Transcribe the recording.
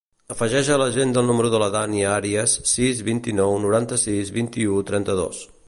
Afegeix a l'agenda el número de la Dània Arias: sis, vint-i-nou, noranta-sis, vint-i-u, trenta-dos.